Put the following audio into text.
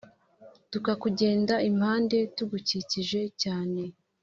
tukakugenda impande tugukikije cyane